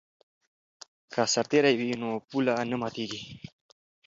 که سرتیری وي نو پوله نه ماتیږي.